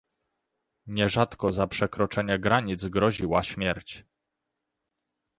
Nierzadko za przekroczenie granic groziła śmierć